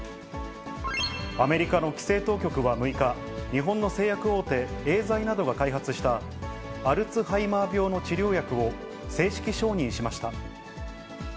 アメリカの規制当局は６日、日本の製薬大手、エーザイなどが開発したアルツハイマー病の治療薬を正式承認しました。